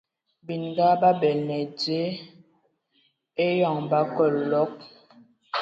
Bininga ba bələna ai dze eyoŋ ba kəlɔg.